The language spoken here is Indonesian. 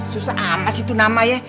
susah amat sih tuh nama ya